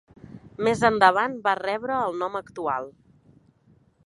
Més endavant va rebre el nom actual.